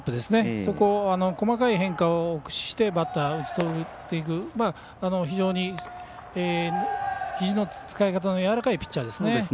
そこを細かい変化を駆使してバッターを打ち取っていく非常にひじの使い方がやわらかいピッチャーですね。